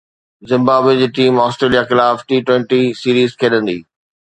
Zimbabwe جي team Australia خلاف T twenty series کيڏندي